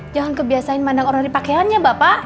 jangan kebiasain mandang orang dari pakeannya bapak